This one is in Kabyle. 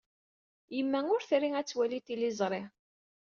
Yemma ur tri ad waliɣ tiliẓri.